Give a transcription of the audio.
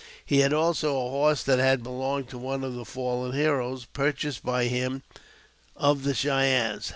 He had also a horse that had belonged to one of the fallen heroes, purchased by him of the Cheyennes.